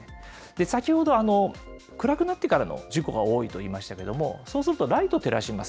先ほど、暗くなってからの事故が多いと言いましたけども、そうすると、ライト照らします。